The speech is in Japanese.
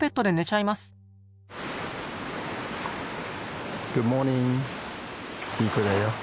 いい子だよ。